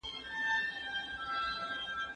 تاسو د هېواد په پرمختګ کي ونډه اخيستې ده.